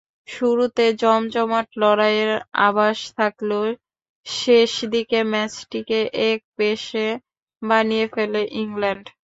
শুরুতে জমজমাট লড়াইয়ের আভাস থাকলেও শেষ দিকে ম্যাচটিকে একপেশে বানিয়ে ফেলে ইংল্যান্ড।